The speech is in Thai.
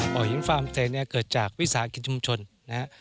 บ่อหินฟาร์มสเตย์เกิดจากวิสาหกิจชุมชนนะครับ